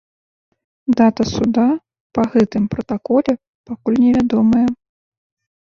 Дата суда па гэтым пратаколе пакуль невядомая.